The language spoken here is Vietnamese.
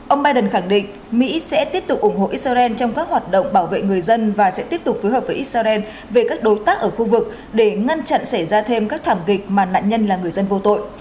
ông biden khẳng định mỹ sẽ tiếp tục ủng hộ israel trong các hoạt động bảo vệ người dân và sẽ tiếp tục phối hợp với israel về các đối tác ở khu vực để ngăn chặn xảy ra thêm các thảm kịch mà nạn nhân là người dân vô tội